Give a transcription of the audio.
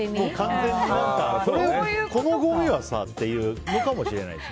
このごみはさっていうのかもしれない。